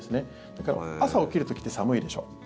だから朝、起きる時って寒いでしょ。